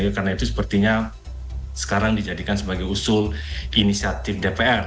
karena itu sepertinya sekarang dijadikan sebagai usul inisiatif dpr